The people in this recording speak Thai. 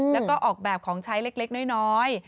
แล้วก็ออกแบบของใช้เล็กน้อย